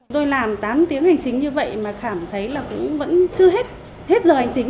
tôi làm tám tiếng hành chính như vậy mà cảm thấy là vẫn chưa hết giờ hành chính